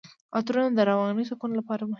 عطرونه د رواني سکون لپاره مهم دي.